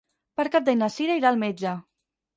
Per Cap d'Any na Sira irà al metge.